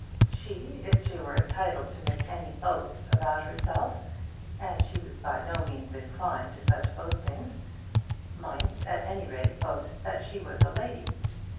She, if she were entitled to make any boast about herself and she was by no means inclined to such boastings might at any rate boast that she was a lady.